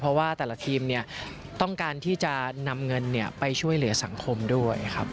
เพราะว่าแต่ละทีมต้องการที่จะนำเงินไปช่วยเหลือสังคมด้วยครับ